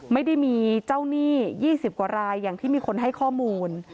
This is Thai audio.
ไม่ได้มีเจ้าหนี้๒๐กว่ารายอย่างที่มีคนให้ข้อมูล